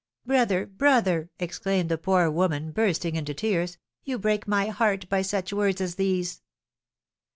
"Brother, brother," exclaimed the poor woman, bursting into tears, "you break my heart by such words as these!"